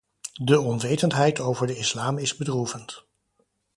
De onwetendheid over de islam is bedroevend.